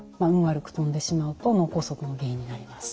悪く飛んでしまうと脳梗塞の原因になります。